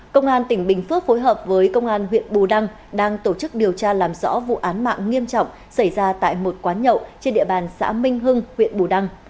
công an tỉnh bình phước phối hợp với công an huyện bù đăng đang tổ chức điều tra làm rõ vụ án mạng nghiêm trọng xảy ra tại một quán nhậu trên địa bàn xã minh hưng huyện bù đăng